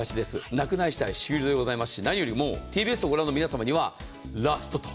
なくなり次第、終了でございますし、何よりＴＢＳをご覧の皆様にはラストと。